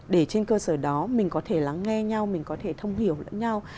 để trên cơ sở đó mình có thể lắng nghe mình có thể thông hiểu lẫn nhau